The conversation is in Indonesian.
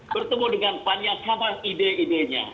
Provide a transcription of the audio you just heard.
bertemu dengan pan yang sama ide idenya